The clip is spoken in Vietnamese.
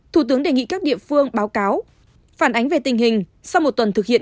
thủ tướng đề nghị các địa phương báo cáo phản ánh về tình hình sau một tuần thực hiện